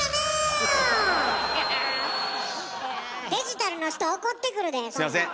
デジタルの人怒ってくるでそんなん。